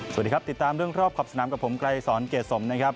สวัสดีครับติดตามเรื่องรอบขอบสนามกับผมไกรสอนเกรดสมนะครับ